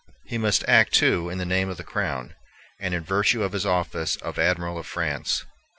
He must act, too, in the name of the Crown, and in virtue of his office of Admiral of France.